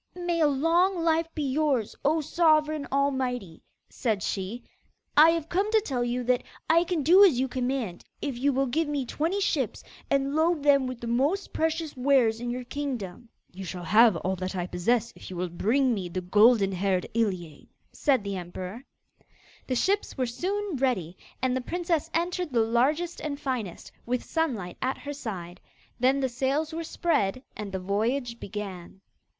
'May a long life be yours, O Sovereign all mighty!' said she. 'I have come to tell you that I can do as you command if you will give me twenty ships, and load them with the most precious wares in your kingdom.' 'You shall have all that I possess if you will bring me the golden haired Iliane,' said the emperor. The ships were soon ready, and the princess entered the largest and finest, with Sunlight at her side. Then the sails were spread and the voyage began.